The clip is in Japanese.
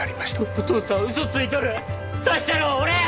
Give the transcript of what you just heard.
お父さん嘘ついとる刺したのは俺や！